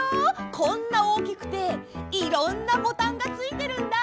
こんなおおきくていろんなボタンがついてるんだ！